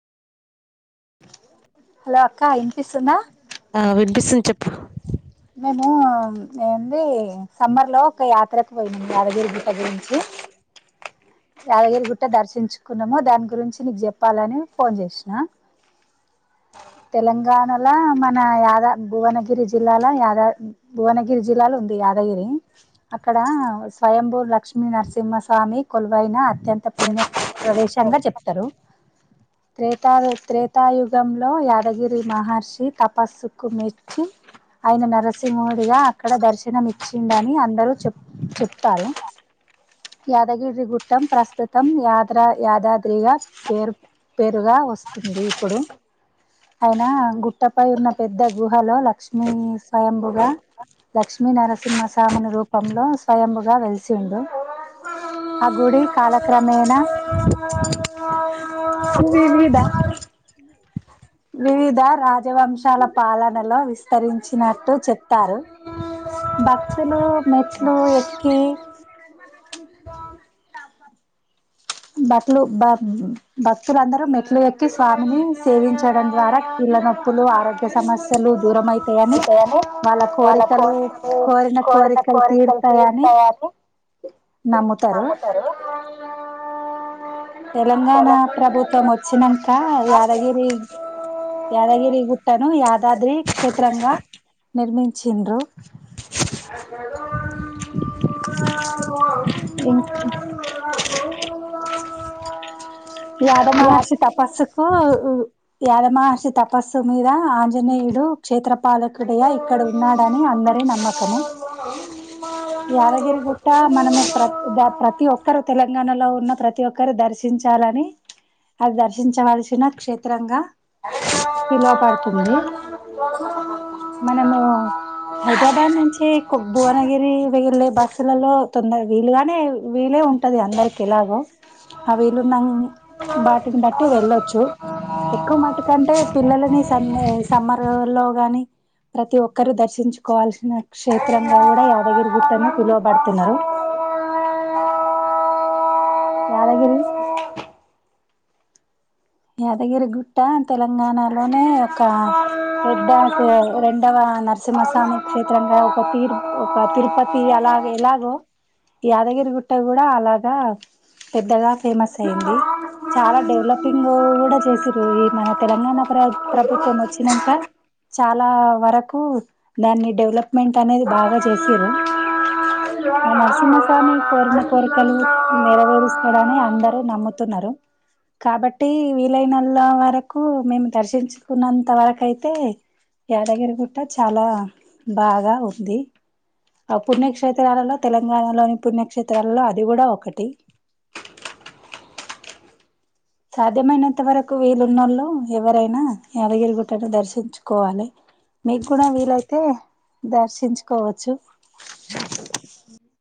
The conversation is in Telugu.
హలో అక్క ఇనిపిస్తుందా పిస్తుంది చెప్పు మేము ఏంది సమ్మర్ లో ఒక యాత్రకు పోయినాం యాదగిరి గుట్ట గురించి యాదగిరి గుట్ట దర్శించుకున్నాము దాని గురించి నీకు చెప్పాలని ఫోన్ చేసిన తెలంగాణలో మన యాదా భువనగిరి జిల్లాలో యాదా భువనగిరి జిల్లాలో ఉంది యాదగిరి అక్కడ స్వయంభూర్ లక్ష్మి నరసింహస్వామి కొలువైన అత్యంత ప్రుమ్య ప్రదేశంగా చెప్తారు త్రేతా త్రేతాయుగం లో యాదగిరి మహర్షి తపస్సుకు మెచ్చి ఆయన నరసింహుడిగా అక్కడ దర్శనం ఇచ్చిండని అందరూ చెప్ చెప్తారు యాదగిరి గుట్టం ప్రస్తుతం యాద యాదాద్రిగా పేరు పేరుగా వస్తుంది ఇప్పుడు అయినా గు గుట్టపై ఉన్న పెద్ద గుహలో లక్ష్మీ స్వయంబుగా లక్ష్మీ నరసింహ స్వాముని రూపంలో స్వయంబుగా వెలిసిండు ఆ గుడి కాలక్రమేణ మీద వివిధ రాజవంశాల పాలనలో వి విస్తరించినట్టు చెప్తారు భక్తులు మెట్లు ఎక్కి అ బట్లో బ భక్తులందరూ మెట్లు ఎక్కి స్వామిని సేవించడం ద్వారా కీళ్ళ నొప్పులు ఆరోగ్య సమస్యలు దూర అయితాయని ఉంటాయని వాళ్ళ కోరికలు కోరిన కోరికలు తీరుతాయని నమ్ముతారు తెలంగాణ ప్రభుత్వ త్వం వచ్చినాక యాదగిరి యాదగిరి గుట్టను యాదాద్రి క్షేత్రంగా నిర్మించింద్రు ఇంకా యాద మహర్షి తపస్సుకు యాదమహర్షి తపస్సు మీద ఆంజనేయుడు క్షేత్రపాలకుడయ ఇక్కడ ఉన్నాడని అందరి నమ్మకము యాదగిరిగుట్ట మనము ప్ర ప్రతి ఒక్కరు తెలంగాణలో ఉన్న ప్రతి ఒకరు దర్శించాలని అది దర్శించవలసిన క్షేత్రంగా పిలువ పడుతుంది మనము హైదరాబాద్ నుంచి భువనగిరి వెళ్ళే బస్సులలో వీలుగానే వీలే ఉంట ఉంటుంది అందరికి ఎలాగో అ వీలున్న బాటిని బట్టి వెళ్ళొచ్చు ఎక్కువ మటుకంటే పిల్లలని స సమ్మర్ లో కానీ ప్రతి ఒక్కరు దర్శించుకోవాలి ణ క్షేత్రంగా కూడా యాదగిరి గుట్టను పిలువబడుతున్నారు తెలంగాణ యాదగిరి యాదగిరిగుట్ట తెలంగాణలోనే ఒక పెద్ద రెండవ నరసింహస్వామి క్షేత్రంగా ఒకరు ఒక తిరుపతి అలాగ ఎలాగో యాదగిరి గుట్ట కూడా అలాగా పెద్దగా ఫేమస్ అయింది చాలా డెవలపింగ్ కూడా చేసింది ఈ మన తెలంగాణ ప్ర ప్రభుత్వం వచ్చినాంక చాలా వరకు దాన్ని డెవలప్ మెంట్ అనేది బాగా చేసిరు ఆ నరసింహస్వామి కోరిన కోరికలు ఓరి ఇస్తాడని అందరూ నమ్ముతున్నారు కాబట్టి వీలైనల్ల వరకు మేము దర్శించుకున్నంత వరకు అయితే యాదగిరి గుట్ట చాలా బాగా ఉంది ఆ పుణ్యక్షేత్రాలలో తెలంగాణలోని పుణ్యక్షేత్రాలలో అది కూడా ఒకటి సాధ్యమైనంత వరకు వీలుఉన్నళ్ళు ఎవరైనా యాదగిరిగుట్టను దర్శించుకోవాలి మీకు కూడా వీలైతే దర్శించుకోవచ్చు